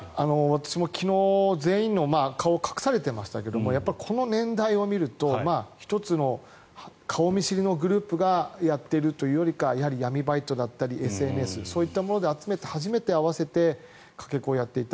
私、昨日全員の顔隠されていましたけどこの年代を見ると１つの顔見知りのグループがやっているというよりかはやはり闇バイトだったりＳＮＳで集めて初めて会わせてかけ子をやっていた。